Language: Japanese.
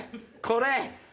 これ！